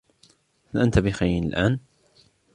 هل أنتِ بخير الآن ؟